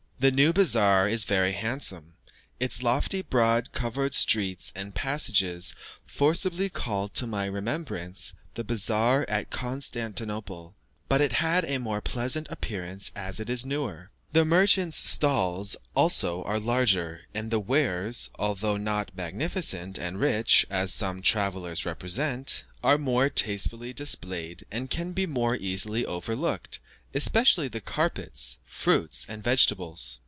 The new bazaar is very handsome, its lofty, broad covered streets and passages forcibly called to my remembrance the bazaar at Constantinople; but it had a more pleasant appearance as it is newer. The merchant's stalls also are larger, and the wares, although not so magnificent and rich as some travellers represent, are more tastefully displayed and can be more easily overlooked, especially the carpets, fruits, and vegetables.